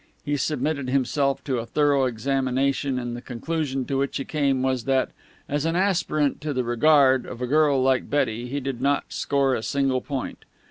He submitted himself to a thorough examination, and the conclusion to which he came was that, as an aspirant to the regard, of a girl like Betty, he did not score a single point.